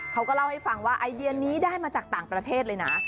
เขาก็เล่าให้ฟังว่าไอเดียนี้ได้มาจากต่างประเทศเลยนะ